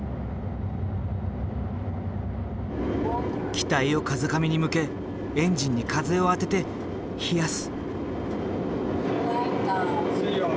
機体を風上に向けエンジンに風を当てて冷やす。